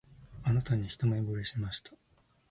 あなたに一目ぼれしました